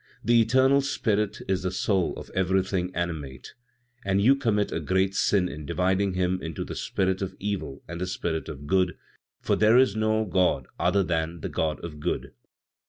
"The eternal Spirit is the soul of everything animate, and you commit a great sin in dividing Him into the Spirit of Evil and the Spirit of Good, for there is no God other than the God of Good.